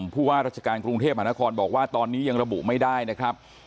ผู้ว่าราชการกรุงเทพมหานครบอกว่าตอนนี้ยังระบุไม่ได้นะครับ